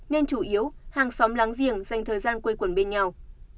nên chủ yếu hàng xóm láng giềng dành thời gian quây quần bên nhau